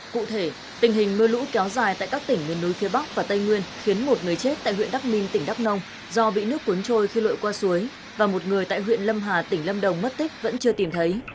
cụ thể tình hình mưa lũ kéo dài tại các tỉnh miền núi phía bắc và tây nguyên khiến một người chết tại huyện đắk minh tỉnh đắk nông do bị nước cuốn trôi khi lội qua suối và một người tại huyện lâm hà tỉnh lâm đồng mất tích vẫn chưa tìm thấy